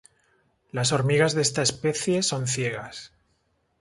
Las hormigas de esta especie son ciegas.